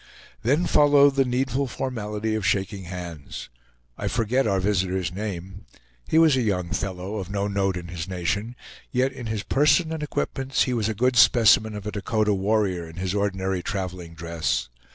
Then followed the needful formality of shaking hands. I forget our visitor's name. He was a young fellow, of no note in his nation; yet in his person and equipments he was a good specimen of a Dakota warrior in his ordinary traveling dress.